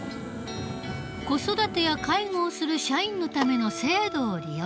子育てや介護をする社員のための制度を利用しているのだ。